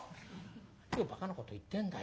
「何をバカなこと言ってんだよ